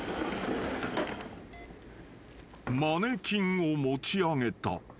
［マネキンを持ち上げた］